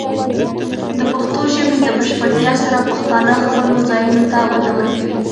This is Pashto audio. د پښتو ژبې د بشپړتیا سره، پښتانه خپلو ځایونو ته وده ورکوي.